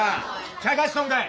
ちゃかしとんかい？